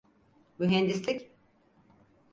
Mühendislik…